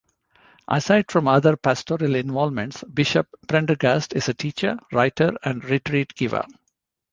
Aside from other pastoral involvements, Bishop Prendergast is a teacher, writer and retreat giver.